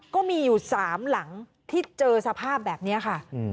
ก็มีอยู่๓หลังที่เจอสภาพแบบนี้ค่ะ